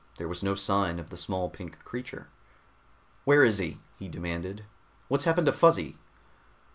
There was no sign of the small pink creature. "Where is he?" he demanded. "What's happened to Fuzzy?"